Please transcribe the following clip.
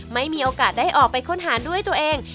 ไม่มีโอกาสได้ออกไปค้นหาด้วยตัวเอง